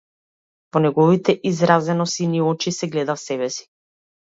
Во неговите изразено сини очи се гледав себеси.